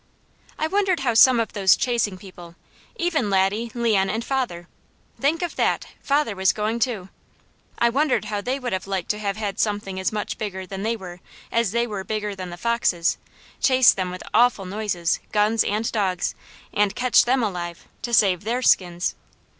I wondered how some of those chasing people, even Laddie, Leon, and father think of that! father was going too I wondered how they would have liked to have had something as much bigger than they were, as they were bigger than the foxes, chase them with awful noises, guns and dogs, and catch them alive to save their skins.